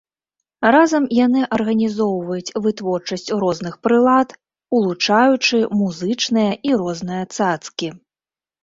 Разам яны арганізоўваюць вытворчасць розных прылад, улучаючы музычныя і розныя цацкі.